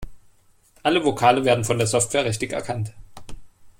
Alle Vokale werden von der Software richtig erkannt.